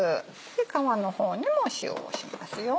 皮の方にも塩をしますよ。